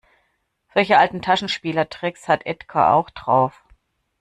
Solche alten Taschenspielertricks hat Edgar auch drauf.